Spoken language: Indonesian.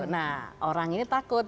nah orang ini takut